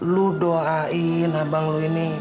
lu doain abang lo ini